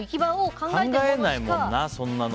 考えないもんな、そんなの。